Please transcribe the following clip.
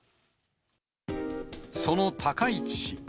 その高市氏。